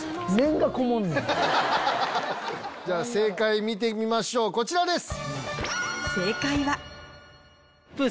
正解見てみましょうこちらです！